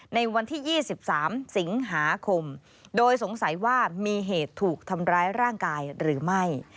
ในวันที่๒๓สิงหาคมโดยสงสัยว่ามีเหตุถูกทำร้ายร่างกายหรือไม่